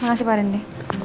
makasih pak rendy